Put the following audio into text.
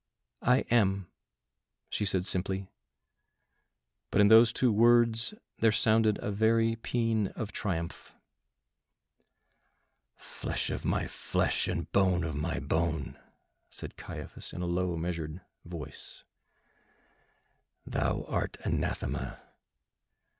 "I am," she said simply, but in those two words there sounded a very pean of triumph. "Flesh of my flesh and bone of my bone," said Caiaphas in a low measured voice, "thou art anathema.